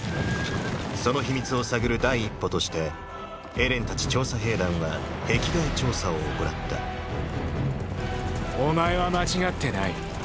その秘密を探る第一歩としてエレンたち調査兵団は壁外調査を行ったお前は間違ってない。